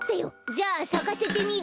じゃあさかせてみる。